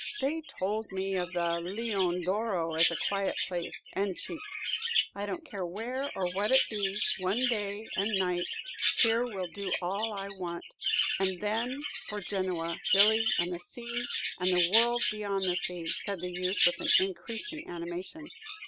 They told me of the 'Leone d'Oro' as a quiet place and cheap." "I don't care where or what it be; one day and night here will do all I want. And then for Genoa, Billy, and the sea, and the world beyond the sea," said the youth, with increasing animation.